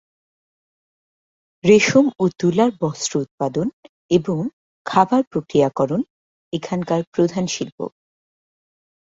রেশম ও তুলার বস্ত্র উৎপাদন এবং খাবার প্রক্রিয়াকরণ এখানকার প্রধান শিল্প।